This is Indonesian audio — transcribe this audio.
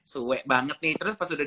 suwe banget nih terus pas udah